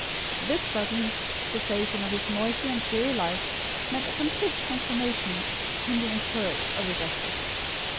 This sudden cessation of his noisy and fiery life meant a complete transformation in the entourage of the duchess.